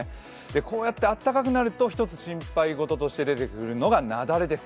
こうやってあったかくなると一つ心配事として出てくるのがなだれです。